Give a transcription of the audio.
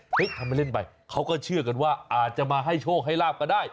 ทำให้เล่นไปเขาก็เชื่อกันว่าอาจจะมาให้โชคให้ลาบก็ได้